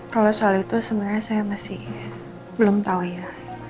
kalau soal itu sebenarnya saya masih belum tahu ya